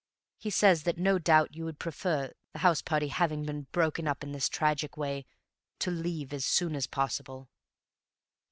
He says that no doubt you would prefer, the house party having been broken up in this tragic way, to leave as soon as possible."